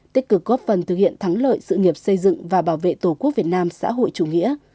tích cực góp phần thực hiện thắng lợi sự nghiệp xây dựng và bảo vệ tổ quốc việt nam xã hội chủ nghĩa